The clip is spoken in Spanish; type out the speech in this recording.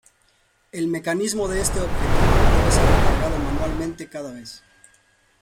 El mecanismo de este objetivo debe ser recargado manualmente cada vez.